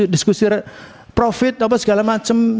diskusi profit apa segala macam